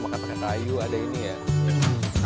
oh makan makan tayu ada ini ya